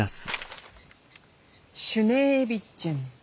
シュネービッチェン。